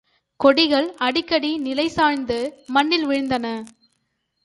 கொடிகள் அடிக்கடி நிலை சாய்ந்து மண்ணில் வீழ்ந்தன.